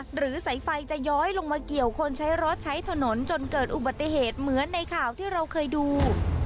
หรือสายไฟจะย้อยลงมาเกี่ยวคนใช้รถใช้ถนนจนเกิดอุบัติเหตุเหมือนในข่าวที่เราเคยดู